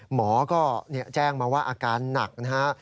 หมอก็แจ้งมาว่าอาการหนักนะฮะ